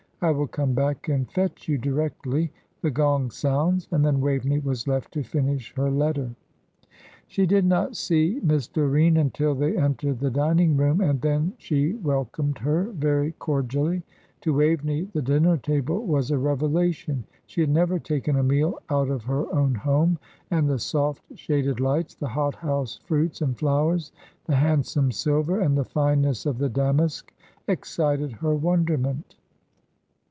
I will come back and fetch you directly the gong sounds;" and then Waveney was left to finish her letter. She did not see Miss Doreen until they entered the dining room, and then she welcomed her very cordially. To Waveney the dinner table was a revelation. She had never taken a meal out of her own home, and the soft, shaded lights, the hot house fruits and flowers, the handsome silver, and the fineness of the damask, excited her wonderment.